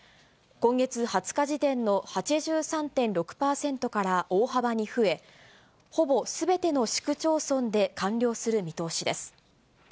今月２０日時点の８３．６％から大幅に増え、ほぼすべての市区町村で完了する見通しです。